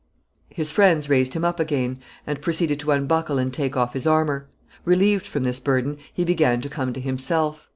His friends raised him up again, and proceeded to unbuckle and take off his armor. Relieved from this burden, he began to come to himself.